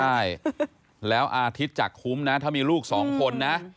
ใช่แล้วอาทิตย์จากคุ้มนะถ้ามีลูกสองคนนะ